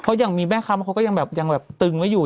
เพราะยังมีแม่ครับมันก็ยังตึงไว้อยู่